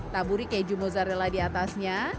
taburi keju mozzarella diatasnya